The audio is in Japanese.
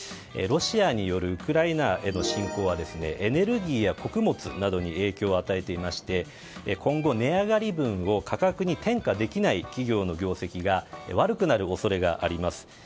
ロシアによるウクライナへの侵攻はエネルギーや穀物などに影響を与えていまして今後、値上がり分を価格に転嫁できない企業の業績が悪くなる恐れがあります。